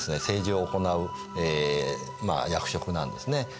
政治を行う役職なんですね。